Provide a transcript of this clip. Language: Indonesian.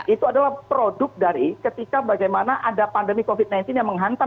itu adalah produk dari ketika bagaimana ada pandemi covid sembilan belas yang menghantam